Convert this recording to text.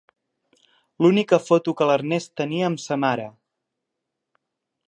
L'única foto que l'Ernest tenia amb sa mare.